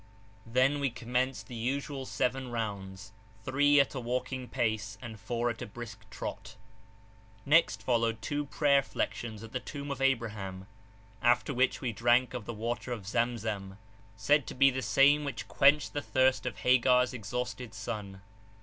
Then we commenced the usual seven rounds, three at a walking pace, and four at a brisk trot. Next p.412] followed two prayer flections at the tomb of Abraham, after which we drank of the water of Zamzam, said to be the same which quenched the thirst of Hagars exhausted son.